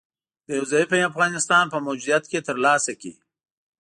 د یو ضعیفه افغانستان په موجودیت کې تر لاسه کړي